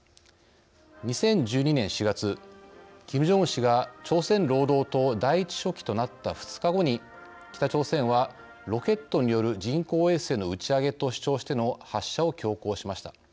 ２０１２年４月キム・ジョンウン氏が朝鮮労働党第１書記となった２日後に北朝鮮は「ロケットによる人工衛星の打ち上げ」と主張しての発射を強行しました。